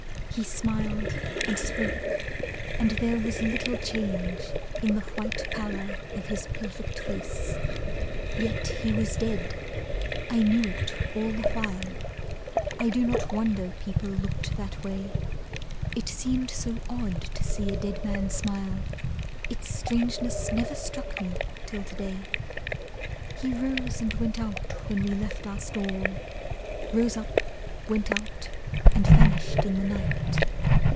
He smiled, and spoke, and there was little change In the white pallor of his perfect face. Yet he was dead. I knew it all the while, I do not wonder people looked that way. It seemed so odd to see a dead man smile; Its strangeness never struck me till to day. He rose and went out when we left our stall; Rose up, went out, and vanished in the night.